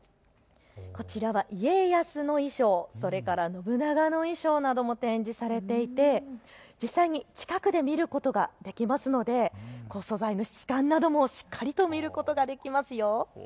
こちらは家康の衣装、それから信長の衣装なども展示されていて実際に近くで見ることができますので素材の質感などもしっかりと見ることができますよ。